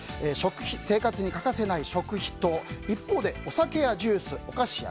生活に欠かせない食費と一方でお酒やジュース、お菓子や